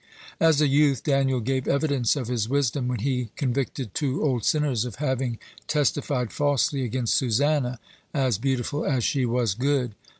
(78) As a youth Daniel gave evidence of his wisdom, when he convicted two old sinners of having testified falsely against Susanna, as beautiful as she was good.